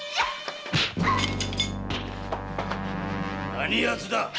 何奴だ！